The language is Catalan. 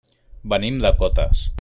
Venim de Cotes.